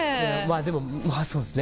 まぁそうですね